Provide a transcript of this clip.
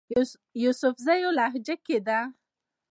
يوسفزئ لهجه کښې ده